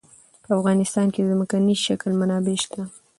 په افغانستان کې د ځمکنی شکل منابع شته.